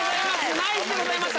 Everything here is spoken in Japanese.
ナイスでございました。